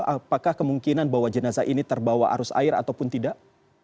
apakah kemungkinan bahwa jenazah ini terbawa arus air ataupun tidak